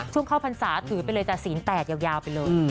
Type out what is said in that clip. เข้าพรรษาถือไปเลยจากศีล๘ยาวไปเลย